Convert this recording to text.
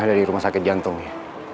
dari rumah sakit jantung